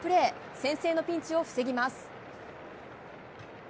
先制のピンチを防ぎます。